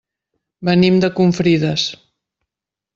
Venim de Confrides.